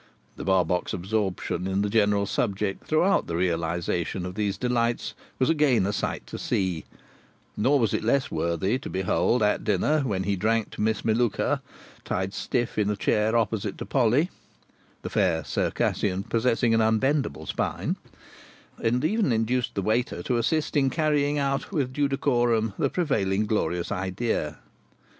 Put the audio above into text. The Barbox absorption in the general subject throughout the realisation of these delights was again a sight to see, nor was it less worthy to behold at dinner, when he drank to Miss Melluka, tied stiff in a chair opposite to Polly (the fair Circassian possessing an unbendable spine), and even induced the waiter to assist in carrying out with due decorum the prevailing glorious idea.